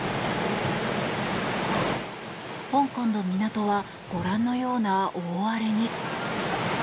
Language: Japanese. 香港の港はご覧のような大荒れに。